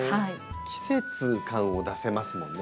季節感を出せますもんね。